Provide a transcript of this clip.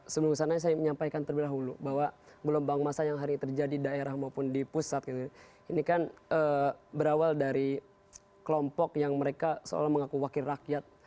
sebelum sana saya menyampaikan terlebih dahulu bahwa gelombang masa yang hari terjadi di daerah maupun di pusat ini kan berawal dari kelompok yang mereka seolah mengaku wakil rakyat